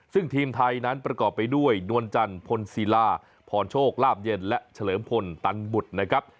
ซึ่งทีมไทยนั้นประกอบไปด้วยนวลจันพลศิลาพรโชคลาบเย็นและเฉลิมพลตันบุตรนะครับ